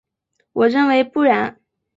我认为不然。